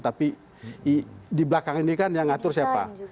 tapi di belakang ini kan yang ngatur siapa